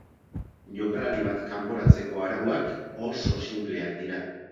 Jokalari bat kanporatzeko arauak oso sinpleak dira.